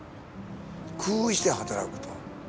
工夫して働くと。